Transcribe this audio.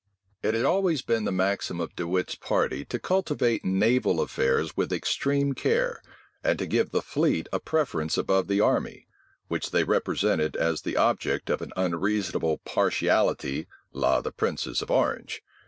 * Temple, vol. i. p. 75. It had always been the maxim of De Wit's party to cultivate naval affairs with extreme care, and to give the fleet a preference above the army, which they represented as the object of an unreasonable partiality la the princes of Orange.